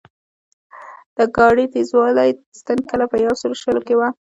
د ګاډۍ تېزوالي ستن کله په یو سلو شلو کې وه.